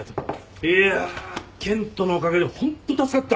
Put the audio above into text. いや健人のおかげでホント助かった。